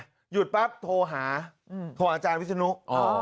หยุดแป๊บโทรหาโทรหาอาจารย์วิทยาลุธ์